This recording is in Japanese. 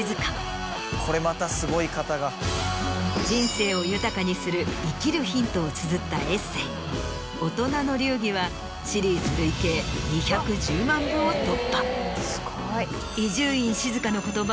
人生を豊かにする生きるヒントをつづったエッセー。を突破。